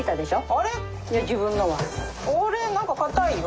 あれっ何か硬いよ。